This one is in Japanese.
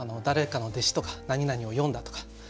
誰かの弟子とか何々を詠んだとか。